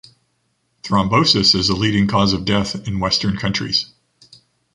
Thrombosis is the leading cause of death in western countries.